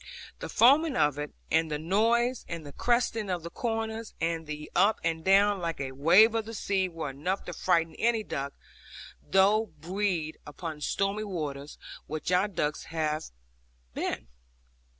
The foaming of it, and the noise, and the cresting of the corners, and the up and down, like a wave of the sea, were enough to frighten any duck, though bred upon stormy waters, which our ducks never had been.